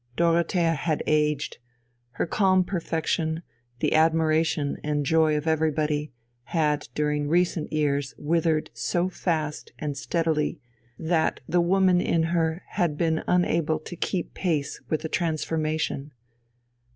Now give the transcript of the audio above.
Dorothea had aged, her calm perfection, the admiration and joy of everybody, had during recent years withered so fast and steadily that the woman in her had been unable to keep pace with the transformation.